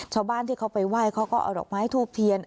ชาวบ้านที่เขาไปไหว้เขาก็เอาดอกไม้ทูบเทียน